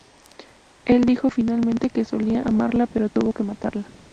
Él dijo finalmente que "solía amarla pero tuvo que matarla".